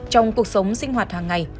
trong cuộc sống sinh hoạt hàng ngày